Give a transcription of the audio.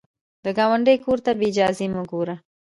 د ګاونډي کور ته بې اجازې مه ګوره